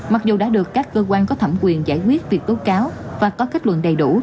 mặc dù đã được các cơ quan có thẩm quyền giải quyết việc tố cáo và có kết luận đầy đủ